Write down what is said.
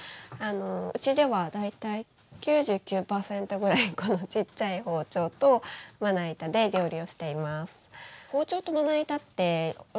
うちでは大体９９％ぐらいこのちっちゃい包丁とまな板で料理をしています。